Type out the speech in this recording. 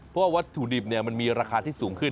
เพราะว่าวัตถุดิบมันมีราคาที่สูงขึ้น